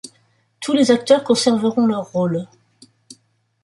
Tous les acteurs conserveront leurs rôles.